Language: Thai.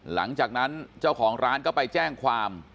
หลังจากนั้นเจ้าของร้านก็ไปแจ้งความ